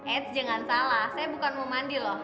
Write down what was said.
eits jangan salah saya bukan mau mandi loh